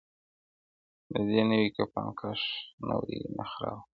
د دې نوي کفن کښ نوې نخره وه!!